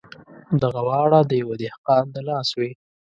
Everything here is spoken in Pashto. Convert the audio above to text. دغه واړه د یوه دهقان د لاس وې.